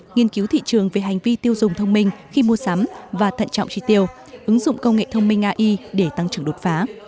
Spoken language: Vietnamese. nghiên cứu thị trường về hành vi tiêu dùng thông minh khi mua sắm và thận trọng tri tiêu ứng dụng công nghệ thông minh ai để tăng trưởng đột phá